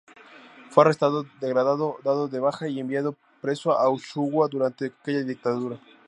Fue arrestado, degradado, dado de baja y enviado preso a Ushuaia durante aquella dictadura.